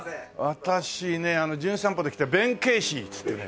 私ね『じゅん散歩』で来たベン・ケーシーつってね。